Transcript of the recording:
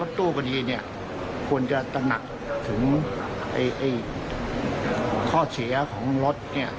รถตู้ก็ดีเนี่ยควรจะตระหนักถึงข้อเสียของรถเนี่ย